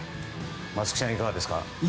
松木さん、いかがですか？